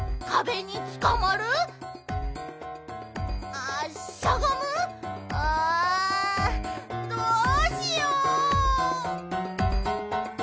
ああどうしよう。